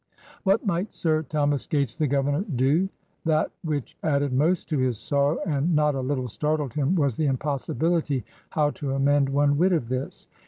What might Sir Thomas Gates, the Governor, do? ''That which added most to his sorowe, and « not a little startled him, was the impossibilitie ••• how to amend one whitt of this.